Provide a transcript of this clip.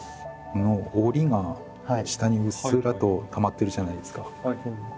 このおりが下にうっすらとたまってるじゃないですか。